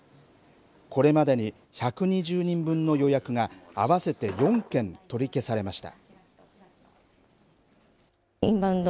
これまでに１２０人分の予約が合わせて４件取り消されました。